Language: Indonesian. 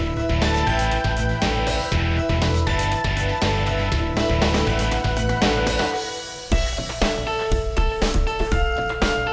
gua mau ke sana